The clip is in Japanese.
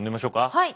はい。